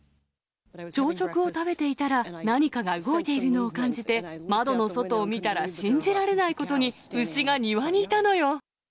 朝食を食べていたら何かが動いているのを感じて、窓の外を見たら信じられないことに牛が庭にいたのよ。